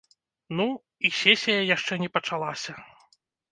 Ну, і сесія яшчэ не пачалася.